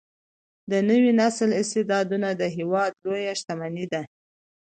د نوي نسل استعدادونه د هیواد لویه شتمني ده.